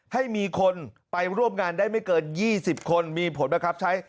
ให้มีคนไปร่วมงานได้ไม่เกินยี่สิบคนมีผลประกับใช้